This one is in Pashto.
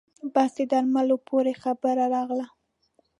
بس د درملو پورې خبره راغله.